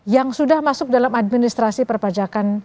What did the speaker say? yang sudah masuk dalam administrasi perpajakan